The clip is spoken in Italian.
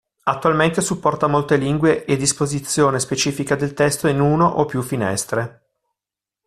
Attualmente supporta molte lingue e disposizione specifica del testo in uno o più finestre.